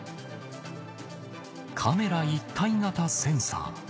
カメラ一体型センサー